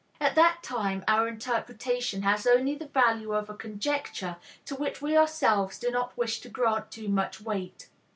At that time our interpretation has only the value of a conjecture to which we ourselves do not wish to grant too much weight.